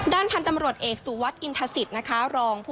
ด้านพันธุ์ตำรวจเอกสุวัฒน์อินทาศิตรนะคะ